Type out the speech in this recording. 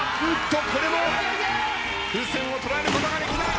これも風船を捉えることができない。